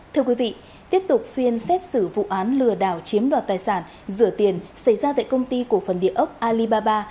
thưa quý vị tiếp tục phiên xét xử vụ án lừa đảo chiếm đoạt tài sản rửa tiền xảy ra tại công ty cổ phần địa ốc alibaba